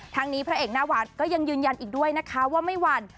นี้พระเอกหน้าหวานก็ยังยืนยันอีกด้วยนะคะว่าไม่หวั่น